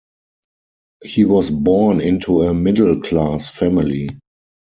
He was born into a middle-class family.